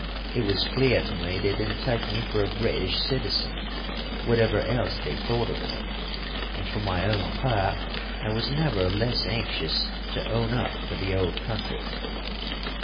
It was clear to me they didn't take me for a British citizen, whatever else they thought of me, and for my own part I was never less anxious to own up to the old country.